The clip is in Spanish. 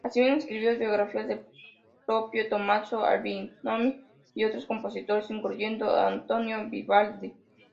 Asimismo, escribió biografías del propio Tomaso Albinoni y otros compositores, incluyendo a Antonio Vivaldi.